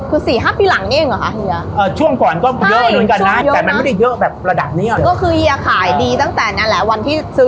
เริ่มจากแบบ๓แพน